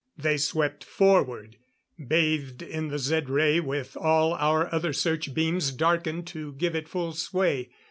They swept forward, bathed in the Zed ray with all our other search beams darkened to give it full sway.